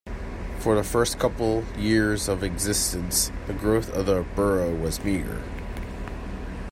For the first couple years of existence, the growth of the borough was meager.